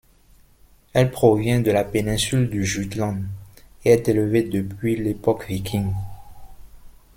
Elle provient de la péninsule du Jutland et est élevée depuis l'époque viking.